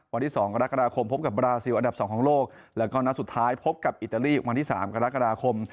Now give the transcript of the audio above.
วันที่๒กรกฎาคมพบกับบราซิลอันดับสองของโลกแล้วก็นัดสุดท้ายพบกับอิตาลีวันที่๓กรกฎาคม